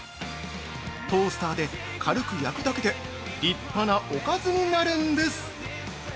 トースターで、軽く焼くだけで立派なおかずになるんです。